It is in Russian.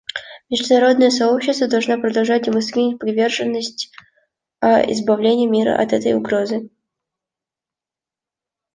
Международное сообщество должно продолжать демонстрировать приверженность избавлению мира от этой угрозы.